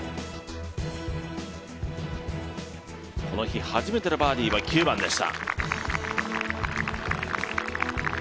この日初めてのバーディーは９番でした。